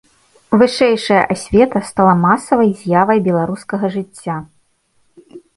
Вышэйшая асвета стала масавай з'явай беларускага жыцця.